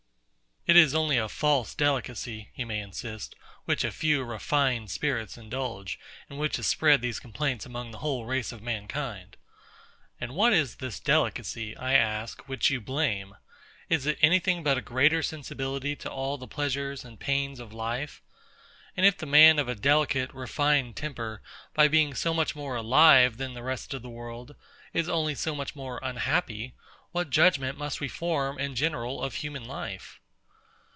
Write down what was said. It is only a false delicacy, he may insist, which a few refined spirits indulge, and which has spread these complaints among the whole race of mankind. ... And what is this delicacy, I ask, which you blame? Is it any thing but a greater sensibility to all the pleasures and pains of life? and if the man of a delicate, refined temper, by being so much more alive than the rest of the world, is only so much more unhappy, what judgement must we form in general of human life?